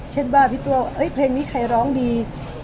เช่นว่าพี่ตัวเพลงนี้ใครร้องดี